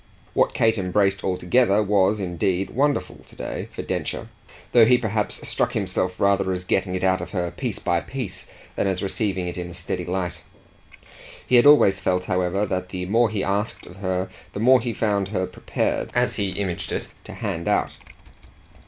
What Kate embraced altogether was indeed wonderful to day for Densher, though he perhaps struck himself rather as getting it out of her piece by piece than as receiving it in a steady light. He had always felt, however, that the more he asked of her the more he found her prepared, as he imaged it, to hand out.